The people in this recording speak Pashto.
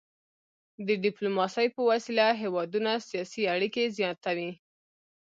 د ډيپلوماسي په وسيله هیوادونه سیاسي اړيکي زیاتوي.